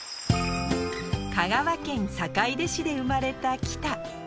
香川県坂出市で生まれた喜田。